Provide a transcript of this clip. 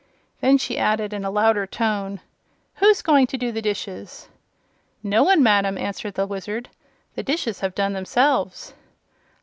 Then she added, in a louder voice: "Who's going to do the dishes?" "No one, madam," answered the Wizard. "The dishes have 'done' themselves."